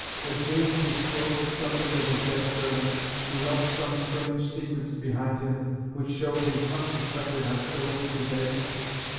Had James disclosed something of his dead servant, who left some strange secrets behind him, which showed his unsuspected hostility to Bacon?